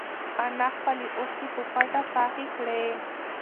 انا خپلې اوښکې په پټه پاکې کړې.